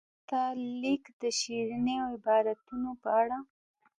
ستا لیک د شیرینو عباراتو په اړه.